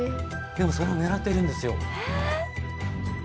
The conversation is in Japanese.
でもそれを狙ってるんですよ。